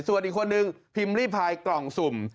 ส่วนอีกคนนึงพิมพ์ลี่พายกล่องสุ่ม